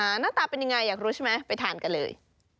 หน้าตาเป็นยังไงอยากรู้ใช่ไหมไปทานกันเลย